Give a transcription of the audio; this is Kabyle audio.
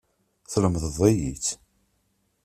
Teslemdeḍ-iyi-tt.